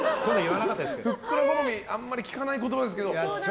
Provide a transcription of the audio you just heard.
ふっくら好みあんまり聞かない言葉ですが。